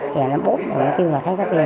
thì nó bút nó kêu là thấy cái tiền